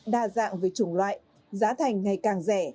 đa dạng về chủng loại giá thành ngày càng rẻ